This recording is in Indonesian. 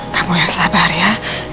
kamu yang sabar ya